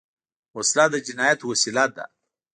وسله د جنايت وسیله ده